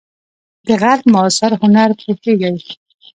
د غرب معاصر هنر پوهیږئ؟